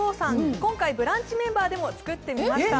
今回、ブランチメンバーでも作ってみました。